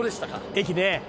駅ね。